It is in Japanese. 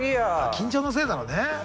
緊張のせいだろうね。